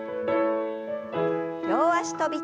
両脚跳び。